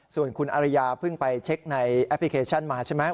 ส่วนคุณอริยาเพิ่งไปเช็คในแอปพลิเคชันมาใช่ไหม